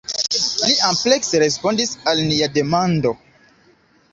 Li amplekse respondis al nia demando.